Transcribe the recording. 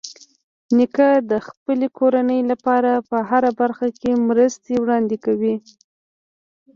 نیکه د خپلې کورنۍ لپاره په هره برخه کې مرستې وړاندې کوي.